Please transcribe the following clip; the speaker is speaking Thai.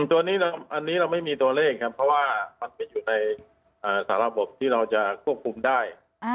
ตัวนี้เราไม่มีตัวเลขครับเพราะว่ามันไปอยู่ในสาระบบที่เราจะควบคุมได้